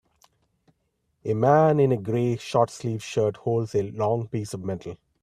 A man in a gray, shortsleeved shirt holds a long piece of metal.